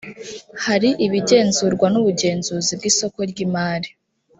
hari ibigenzurwa n’ubugenzuzi bw isoko ry’imari